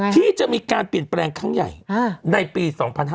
ที่จะมีการเปลี่ยนแปลงครั้งใหญ่ในปี๒๕๕๙